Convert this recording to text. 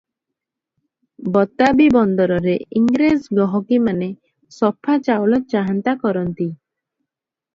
ବତାବୀ ବନ୍ଦରରେ ଇଂରେଜ ଗହକିମାନେ ସଫା ଚାଉଳ ଚାହାନ୍ତା କରନ୍ତି ।